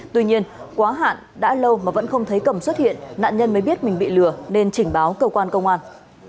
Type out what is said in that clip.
tuy nhiên quá hạn đã lâu mà vẫn không thấy cầm xuất hiện nạn nhân mới biết mình bị lừa nên trình báo cơ quan công an